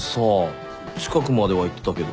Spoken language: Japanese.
近くまでは行ってたけど。